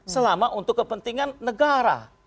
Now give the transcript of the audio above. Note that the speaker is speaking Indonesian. selama untuk kepentingan negara